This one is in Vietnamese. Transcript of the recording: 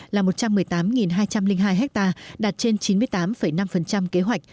là một trăm một mươi tám hai trăm linh hai ha đạt trên chín mươi tám năm kế hoạch